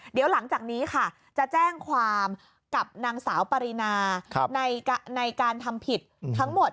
เดี๋ยวหลังจากนี้ค่ะจะแจ้งความกับนางสาวปรินาในการทำผิดทั้งหมด